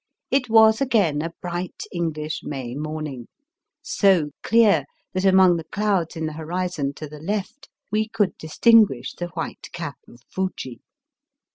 It was again a bright English May morning, so clear that among the clouds in the horizon to the left we could distinguish the white cap of Fuji.